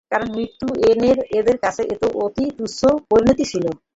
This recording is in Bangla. কারণ মৃত্যু এদের কাছে এক অতি তুচ্ছ পরিণতি ছিল।